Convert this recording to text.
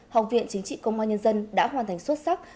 học viện chính trị công an nhân dân đã hoàn thành xuất sắc